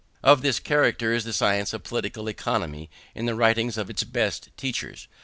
Of this character is the science of Political Economy in the writings of its best teachers.